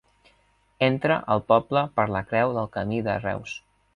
Entra al poble per la Creu del Camí de Reus.